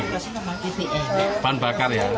ban bakar ya